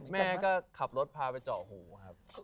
แม่ก็ขับรถพาไปเจาะหูครับ